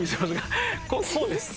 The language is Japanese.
こうです。